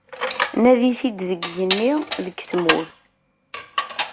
Nadi-t-id deg yigenni, deg tmurt.